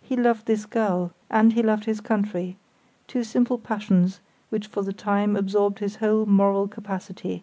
He loved this girl and he loved his country, two simple passions which for the time absorbed his whole moral capacity.